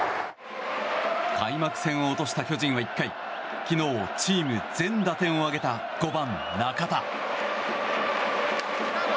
開幕戦を落とした巨人は１回昨日、チーム全打点を挙げた５番、中田。